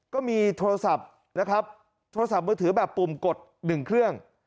ก็มีโทรศัพท์นะครับโทรศัพท์มือถือแบบปุ่มกด๑เครื่อง